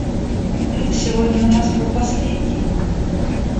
– Это сегодня на Москву последний.